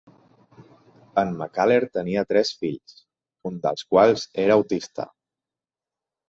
En Mackellar tenia tres fills, un dels quals era autista.